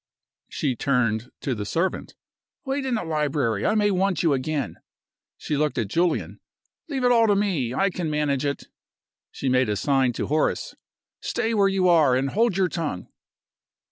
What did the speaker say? She turned to the servant. "Wait in the library; I may want you again." She looked at Julian. "Leave it all to me; I can manage it." She made a sign to Horace. "Stay where you are, and hold your tongue."